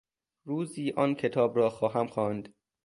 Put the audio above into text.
روزی آن کتاب را خواهم خواند.